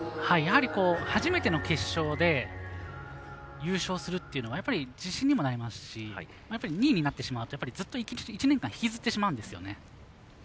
やはり初めての決勝で優勝するっていうのはやっぱり自信にもなりますし２位になってしまうとずっと１年間引きずってしまうんですよね。